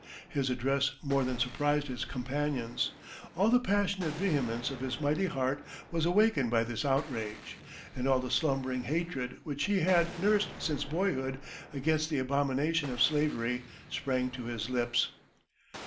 His address more than surprised his companions. All the passionate vehemence of his mighty heart was awakened by this outrage, and all the slumbering hatred which he had nursed since boyhood against the abominations of slavery sprang to his lips.